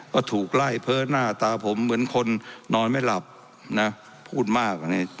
ก็ถูกไล่เพ้อหน้าตาผมเหมือนคนนอนไม่หลับนะพูดมากอันนี้